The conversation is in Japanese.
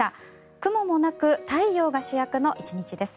雲もなく太陽が主役の１日です。